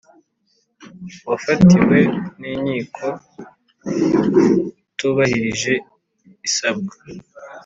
wafatiwe n inkiko utubahirije isabwa